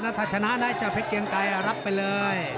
นัทชนะได้จากเพชรเกียงไกห์รับไปเลย